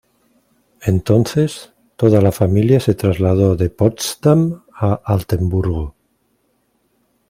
Entonces, toda la familia se trasladó de Potsdam a Altenburgo.